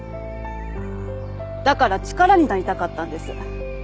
だから力になりたかったんです。